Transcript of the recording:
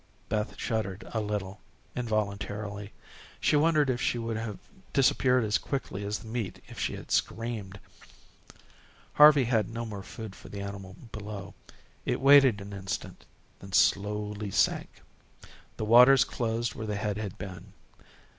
Beth shuddered a little, involuntarily. She wondered if she would have disappeared as quickly as the meat if she had screamed. Harvey had no more food for the animal below. It waited an instant, then slowly sank. The waters closed where the head had been.